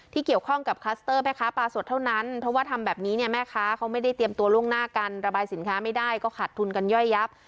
เกี่ยวข้องกับคลัสเตอร์แม่ค้าปลาสดเท่านั้นเพราะว่าทำแบบนี้เนี่ยแม่ค้าเขาไม่ได้เตรียมตัวล่วงหน้ากันระบายสินค้าไม่ได้ก็ขาดทุนกันย่อยยับ